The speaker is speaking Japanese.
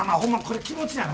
これ気持ちやな。